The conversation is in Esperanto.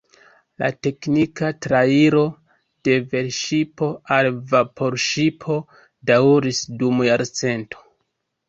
La teknika trairo de velŝipo al vaporŝipo daŭris dum jarcento.